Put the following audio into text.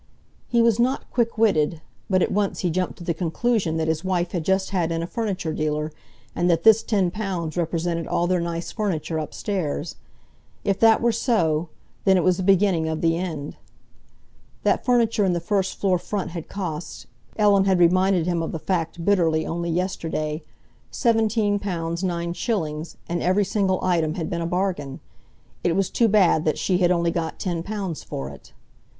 He was not quick witted, but at once he jumped to the conclusion that his wife had just had in a furniture dealer, and that this ten pounds represented all their nice furniture upstairs. If that were so, then it was the beginning of the end. That furniture in the first floor front had cost—Ellen had reminded him of the fact bitterly only yesterday—seventeen pounds nine shillings, and every single item had been a bargain. It was too bad that she had only got ten pounds for it.